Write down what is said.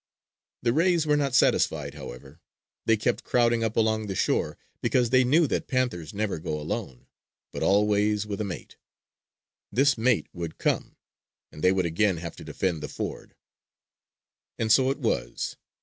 The rays were not satisfied, however. They kept crowding up along the shore because they knew that panthers never go alone, but always with a mate. This mate would come, and they would again have to defend the ford. And so it was.